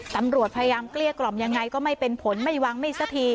ตำรวจพยายามเกลี้ยกล่อมยังไงก็ไม่เป็นผลไม่วางไม่สักที